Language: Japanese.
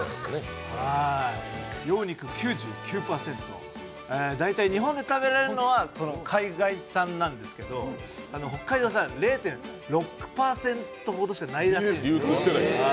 羊肉９９％、大体日本で食べられるのは海外産なんですけど北海道産は０．６％ほどしかないらしいんです。